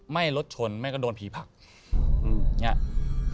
ไม่รถชนมันก็โดนผีแผล